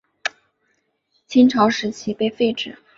秦朝时期被废止。